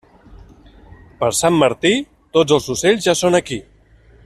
Per Sant Martí, tots els ocells ja són aquí.